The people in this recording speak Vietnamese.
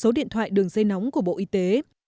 số điện thoại đường dây nóng của bộ y tế